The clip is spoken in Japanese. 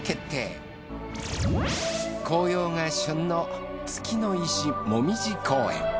紅葉が旬の月の石もみじ公園。